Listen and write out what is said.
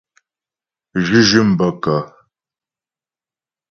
Zhʉ́zhʉ̂m bə́ kə́ ?